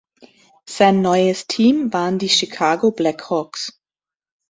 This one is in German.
Sein neues Team waren die Chicago Blackhawks.